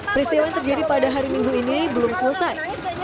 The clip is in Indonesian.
peristiwa yang terjadi pada hari minggu ini belum selesai